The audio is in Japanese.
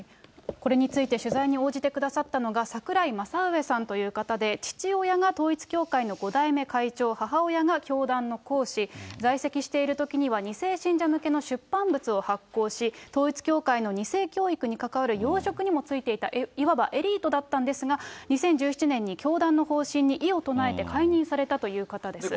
これについて取材に応じてくださったのが、櫻井正上さんという方で、父親が統一教会の５代目会長、母親が教団の講師、在籍しているときには、２世信者向けの出版物を発行し、統一教会の２世教育に関わる要職にも就いていた、いわばエリートだったんですが、２０１７年に教団の方針に異を唱えて解任されたという方です。